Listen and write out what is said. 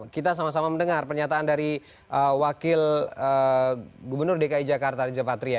kita sama sama mendengar pernyataan dari wakil gubernur dki jakarta riza patria